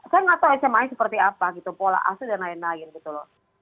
saya nggak tahu smi seperti apa gitu pola asu dan lain lain gitu loh